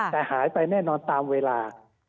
แต่หายไปแน่นอนตามเวลา